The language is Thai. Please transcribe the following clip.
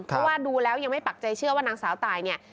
เพราะว่าดูแล้วยังไม่ปักใจเชื่อว่านางสาวตายเนี่ย